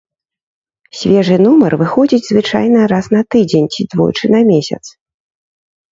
Свежы нумар выходзіць звычайна раз на тыдзень ці двойчы на месяц.